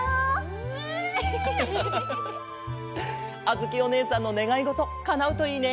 あづきおねえさんのねがいごとかなうといいね！